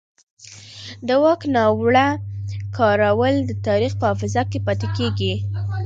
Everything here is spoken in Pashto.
د واک ناوړه کارول د تاریخ په حافظه کې پاتې کېږي